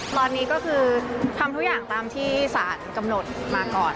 ตอนนี้ก็คือทำทุกอย่างตามที่สารกำหนดมาก่อน